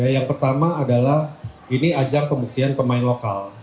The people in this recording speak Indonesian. yang pertama adalah ini ajang pembuktian pemain lokal